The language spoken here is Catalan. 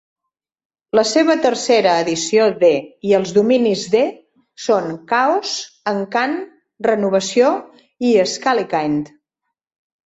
La seva tercera edició D i els dominis D són Caos, Encant, Renovació i Scalykind.